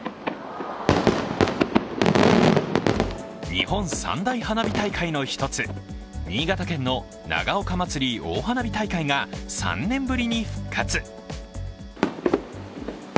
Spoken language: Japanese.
日本三大花火大会の１つ新潟県の長岡まつり大花火大会が３年ぶりに復活。